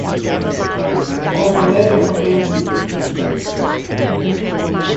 Hold the ladder for me!